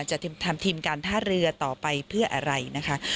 จะทำทีมการท่าเรือต่อไปเพื่ออะไรนะคะ